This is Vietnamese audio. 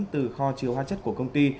từ kho chiếu hóa chất của công ty